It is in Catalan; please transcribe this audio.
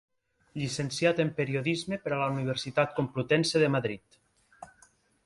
Llicenciat en periodisme per la Universitat Complutense de Madrid.